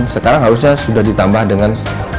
sekarang harusnya sudah ditambah dengan autorisasi lain